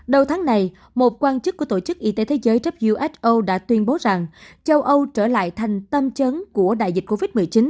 đầu tháng này một quan chức của tổ chức y tế thế giới who đã tuyên bố rằng châu âu trở lại thành tâm chấn của đại dịch covid một mươi chín